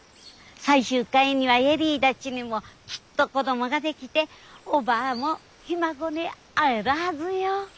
最終回には恵里たちにもきっと子どもができておばぁもひ孫に会えるはずよ。